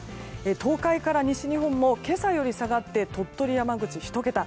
東海から西日本も今朝より下がって鳥取、山口は１桁。